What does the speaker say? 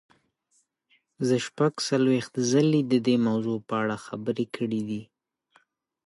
زه شپږ څلوېښت ځلې د دې موضوع په اړه خبرې کړې دي.